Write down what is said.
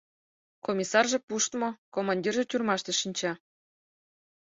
Комиссарже пуштмо, командирже тюрьмаште шинча.